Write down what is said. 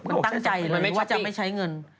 มันตั้งใจเลยไหมว่าจะไม่ใช้เงิน